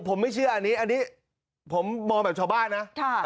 ผมไม่เชื่ออันนี้อันนี้ผมมองแบบชาวบ้านนะ